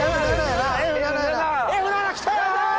Ｆ７来た！